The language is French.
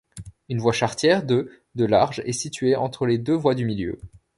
Une voie charretière de de large est située entre les deux voies du milieu.